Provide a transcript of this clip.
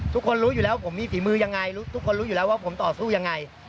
ทุกคนรู้อยู่แล้วผมมีฝีมือยังไงทุกคนรู้อยู่แล้วว่าผมต่อสู้ยังไง